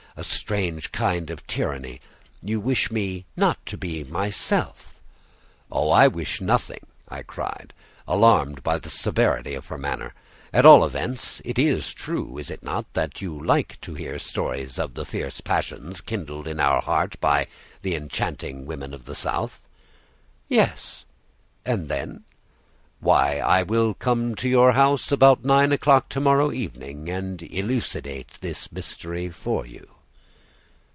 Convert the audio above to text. A strange kind of tyranny! You wish me not to be myself!" "Oh! I wish nothing," I cried, alarmed by the severity of her manner. "At all events, it is true, is it not, that you like to hear stories of the fierce passions, kindled in our heart by the enchanting women of the South?" "Yes. And then?" "Why, I will come to your house about nine o'clock to morrow evening, and elucidate this mystery for you."